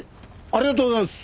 ありがとうございます！